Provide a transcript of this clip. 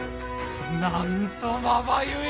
なんとまばゆい！